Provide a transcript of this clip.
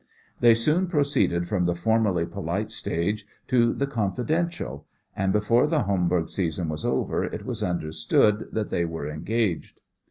They soon proceeded from the formally polite stage to the confidential, and before the Homburg season was over it was understood that they were engaged.